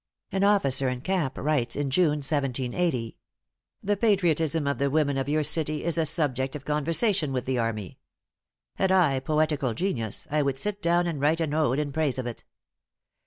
An officer in camp writes, in June, 1780: "The patriotism of the women of your city is a subject of conversation with the army. Had I poetical genius, I would sit down and write an ode in praise of it.